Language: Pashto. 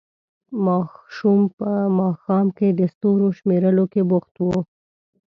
ماشوم په ماښام کې د ستورو شمېرلو کې بوخت وو.